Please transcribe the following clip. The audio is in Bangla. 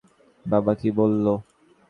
বাবা কি বললো?